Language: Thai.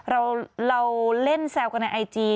เราเล่นแซวกันในไอจี